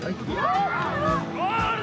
ゴール！